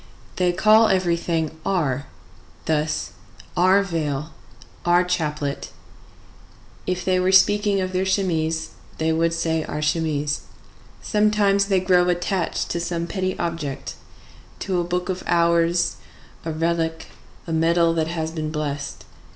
They call everything our; thus: our veil, our chaplet; if they were speaking of their chemise, they would say our chemise. Sometimes they grow attached to some petty object,—to a book of hours, a relic, a medal that has been blessed.